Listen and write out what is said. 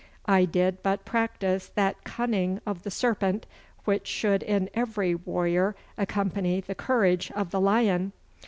'I did but practise that cunning of the serpent which should in every warrior accompany the courage of the lion.